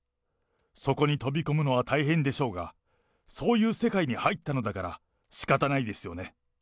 そこに飛び込むのは大変でしょうが、そういう世界に入ったのだから、しかたないですよね。